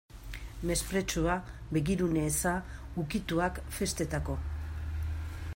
Mespretxua, begirune eza, ukituak, festetako.